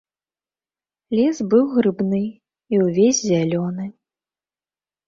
Лес быў грыбны і ўвесь зялёны.